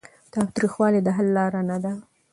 تاوتریخوالی د حل لاره نه ده.